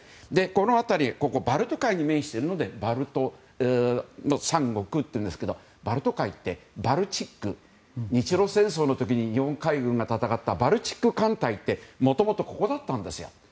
この辺りはバルト海に面しているのでバルト三国というんですけどバルト海ってバルチック日露戦争の時に日本海軍が戦ったバルチック艦隊ってもともとここだったんですよ。